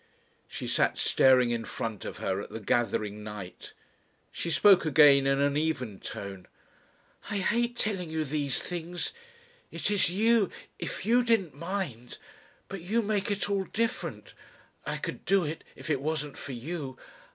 She sat staring in front of her at the gathering night. She spoke again in an even tone. "I hate telling you these things. It is you ... If you didn't mind ... But you make it all different. I could do it if it wasn't for you.